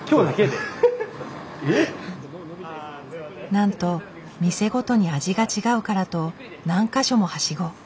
なんと店ごとに味が違うからと何か所もはしご。